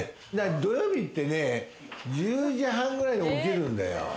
土曜日ってね、１０時半くらいに起きるんだよ。